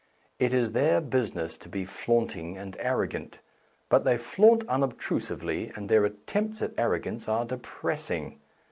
It is their business to be flaunting and arrogant ; but they flaunt unobtrusively, and their attempts at arro gance are depressing.